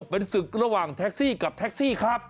เป็นศึกระหว่างแท็กซี่กับแท็กซี่ครับ